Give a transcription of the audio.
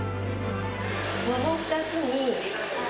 桃２つに。